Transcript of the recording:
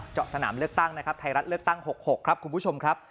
เจาะสนามเลือกตั้งนะครับไทยรัฐเลือกตั้ง๖๖ครับคุณผู้ชมครับ